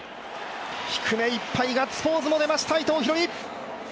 低めいっぱい、ガッツポーズも出ました、伊藤大海。